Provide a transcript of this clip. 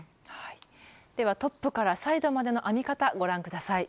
ではトップからサイドまでの編み方ご覧下さい。